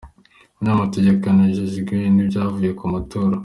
Umunyamategeko yanejejejwe n'ibyavuye ku matora.